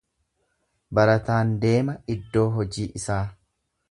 Barataan deema iddoo hojii isaa.